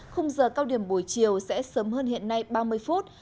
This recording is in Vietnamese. khung giờ cao điểm buổi chiều sẽ sớm hơn hiện nay ba mươi phút